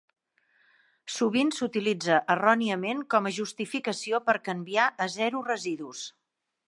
Sovint s'utilitza erròniament com a justificació per canviar a Zero Residus.